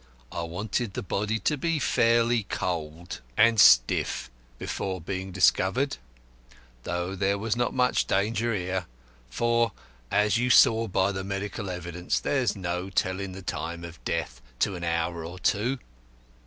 I wanted the body to be fairly cold and stiff before being discovered, though there was not much danger here; for, as you saw by the medical evidence, there is no telling the time of death to an hour or two.